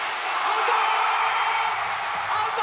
アウト！